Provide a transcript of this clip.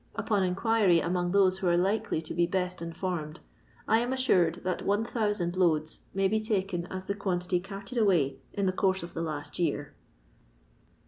Upon inquiry among those who are likely to be best informed, I am auured that 1000 loads may be token as the quantity carted away in the course of the last year.